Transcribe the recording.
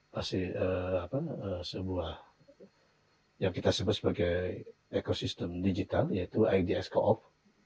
pasti sebuah yang kita sebut sebagai ekosistem digital yaitu ids co op